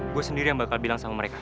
gue sendiri yang bakal bilang sama mereka